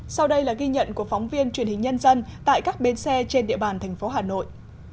sau đây là ghi nhận của phóng viên truyền hình nhân dân tại các bến xe trên địa bàn thành phố hà nội